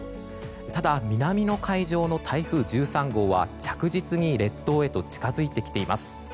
ただ、南の海上の台風１３号は着実に列島へと近づいてきています。